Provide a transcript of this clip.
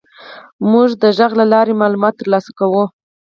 موږ د غږ له لارې معلومات تر لاسه کوو.